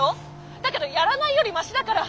だけどやらないよりマシだから」。